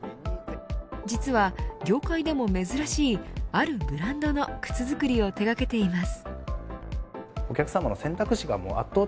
実は業界でも珍しいあるブランドの靴作りを手がけています。